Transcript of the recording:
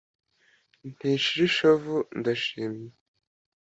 nti " shira ishavu ndashimye ".